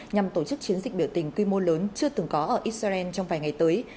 nhằm tổ chức chiến dịch biểu tình quy mô lớn chưa từng có ở israel trong vài ngày tới